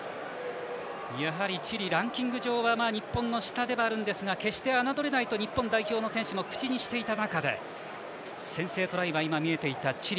チリ、ランキング上は日本の下ではあるんですが決して侮れないと日本代表の選手も口にしていた中で先制トライはチリ。